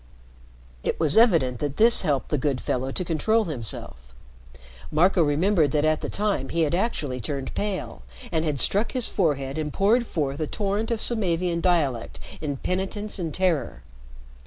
It was evident that this helped the good fellow to control himself. Marco remembered that at the time he had actually turned pale, and had struck his forehead and poured forth a torrent of Samavian dialect in penitence and terror.